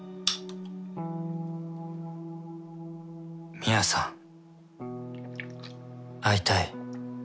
深愛さん会いたい